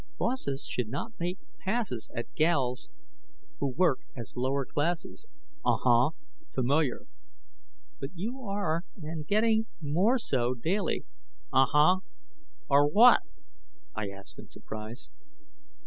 "Bosses should not make passes At gals who work as lower classes." "Uh, huh, familiar." "But you are, and getting more so daily " "Uh hu are what?" I asked in surprise.